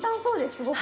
すごく。